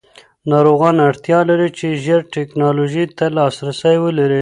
ناروغان اړتیا لري چې ژر ټېکنالوژۍ ته لاسرسی ولري.